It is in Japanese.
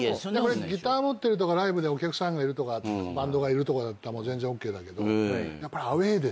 ギター持ってるとかライブでお客さんがいるとかバンドがいるとかだったら全然ＯＫだけど。